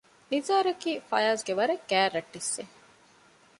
ނިޒާރު އަކީ ފަޔާޒްގެ ވަރަށް ގާތް ރަށްޓެއްސެއް